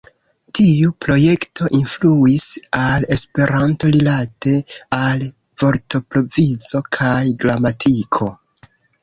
Tiu projekto influis al Esperanto rilate al vortprovizo kaj gramatiko.